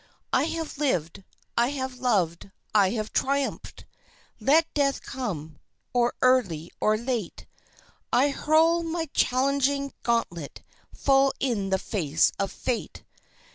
I have lived, I have loved, I have triumphed! Let Death come, or early or late! I hurl my challenging gauntlet full in the face of Fate!